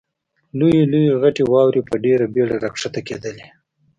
لویې لویې غټې واورې په ډېره بېړه را کښته کېدلې.